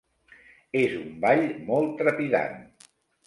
És un ball molt trepidant.